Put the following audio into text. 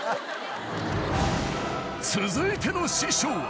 ［続いての師匠は］